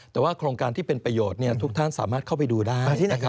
แต่ว่าโครงการที่เป็นประโยชน์ทุกท่านสามารถเข้าไปดูได้